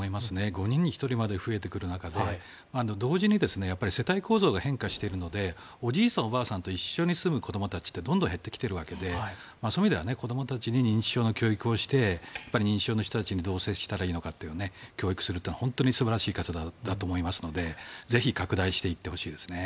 ５人に１人まで増えてくる中で同時に世帯構造が変化しているのでおじいさん、おばあさんと一緒に住んでいる子どもたちってどんどん少なくなってきているのでそういう意味では子どもたちに認知症の教育をして認知症の人たちにどう接したらいいのか教育するのは本当にいい活動だと思いますのでぜひ拡大していってほしいですね。